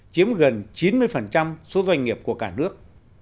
chiếm gần chín mươi số doanh nghiệp của cả nước